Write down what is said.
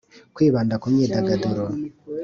kwibanda ku myidagaduro